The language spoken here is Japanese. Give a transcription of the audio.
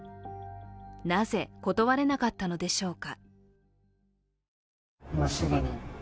なぜ、断れなかったのでしょうか。